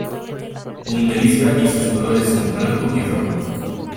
Bundesliga y sus colores son blanco y rojo.